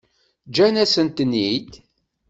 Ǧǧant-asent-ten-id?